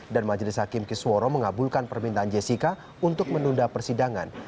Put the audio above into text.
dan majelis hakim kisworo mengabulkan permintaan jessica untuk menunda persidangan